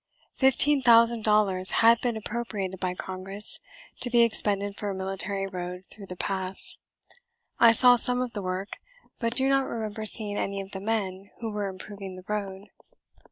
Fifteen thousand dollars had been appropriated by Congress to be expended for a military road through the pass. I saw some of the work, but do not remember seeing any of the men who were improving the road.